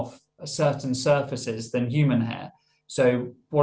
pas saat keperluan pengampiran mohon pertumbuhan